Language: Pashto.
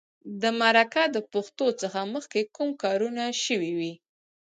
د مرکه د پښتو څخه مخکې کوم کارونه شوي وي.